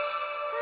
あ！